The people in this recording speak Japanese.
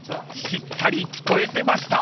［しっかり聞こえてました］